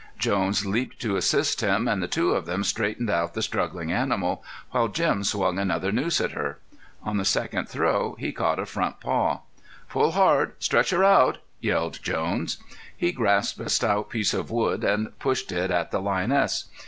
Jones leaped to assist him and the two of them straightened out the struggling animal, while Jim swung another noose at her. On the second throw he caught a front paw. "Pull hard! Stretch her out!" yelled Jones. He grasped a stout piece of wood and pushed it at the lioness.